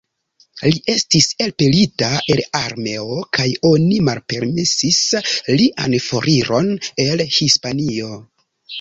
Li estis elpelita el la armeo kaj oni malpermesis lian foriron el Hispanio.